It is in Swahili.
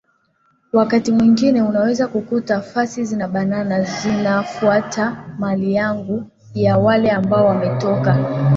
wakati mwengine unaweza kukuta fasi zinabana zinafuata mali yangu ya wale ambao wametoka